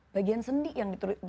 bagian sendi yang diturut